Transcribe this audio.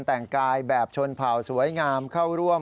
แต่งกายแบบชนเผ่าสวยงามเข้าร่วม